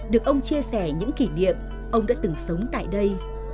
được ông chia sẻ những kỷ niệm ông đã từng sống tại đây